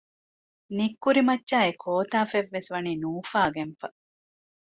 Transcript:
ނިތްކުރި މައްޗާއި ކޯތަފަތްވެސް ވަނީ ނޫފައިގަންފަ